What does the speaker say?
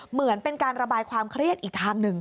เหมือนเป็นการระบายความเครียดอีกทางหนึ่ง